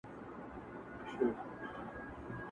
• زما د میني به داستان وي ته به یې او زه به نه یم -